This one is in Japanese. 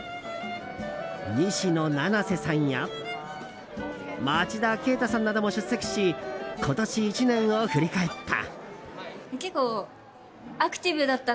西野七瀬さんや町田啓太さんなども出席し今年１年を振り返った。